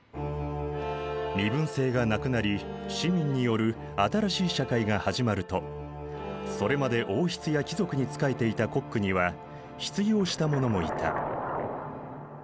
身分制がなくなり市民による新しい社会が始まるとそれまで王室や貴族に仕えていたコックには失業した者もいた。